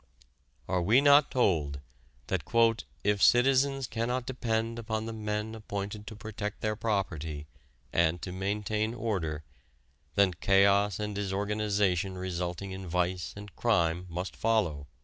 Are we not told that "if the citizens cannot depend upon the men appointed to protect their property, and to maintain order, then chaos and disorganization resulting in vice and crime must follow?"